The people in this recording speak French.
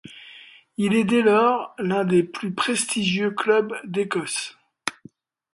Il est dès lors l'un des plus prestigieux clubs d'Écosse.